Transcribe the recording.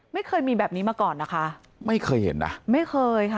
ไม่เคยมีแบบนี้มาก่อนนะคะไม่เคยเห็นนะไม่เคยค่ะ